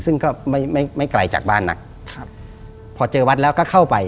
ซึ่งก็ไม่ไม่ไกลจากบ้านนักครับพอเจอวัดแล้วก็เข้าไป